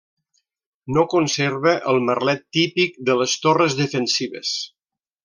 No conserva el merlet típic de les torres defensives.